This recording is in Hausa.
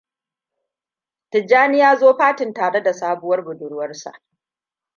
Tijjani ya zo fatin tare da sabuwar budurwarsa.